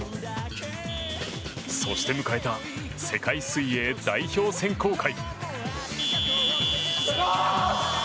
そして迎えた世界水泳代表選考会。